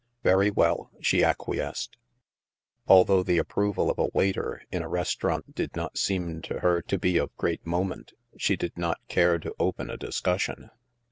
" Very well," she acquiesced. Although the ap proval of a waiter in a restaurant did not seem to her to be of great moment, she did not care to open a discussion.